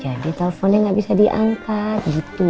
jadi teleponnya gak bisa diangkat gitu